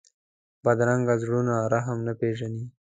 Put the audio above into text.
بدرنګه زړونه رحم نه پېژني